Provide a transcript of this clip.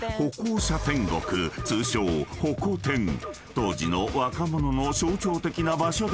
［当時の若者の象徴的な場所であり］